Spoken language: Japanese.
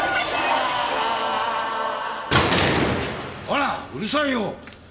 こらうるさいよ！